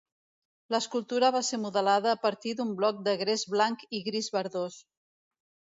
L'escultura va ser modelada a partir d'un bloc de gres blanc i gris verdós.